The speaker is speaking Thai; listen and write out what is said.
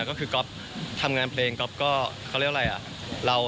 ก็คือก๊อฟทำงานเพลงก๊อฟก็เขาเรียกอะไรอ่ะ